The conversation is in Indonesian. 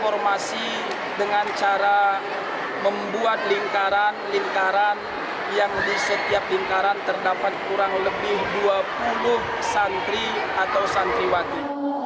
formasi dengan cara membuat lingkaran yang di setiap lingkaran terdapat kurang lebih dua puluh santri atau santri wadid